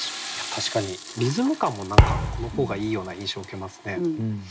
確かにリズム感も何かこの方がいいような印象を受けますね。